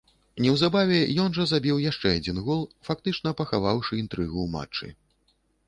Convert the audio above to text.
Неўзабаве ён жа забіў яшчэ адзін гол, фактычна пахаваўшы інтрыгу ў матчы.